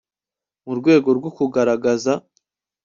mu rwego rwo kugaragaza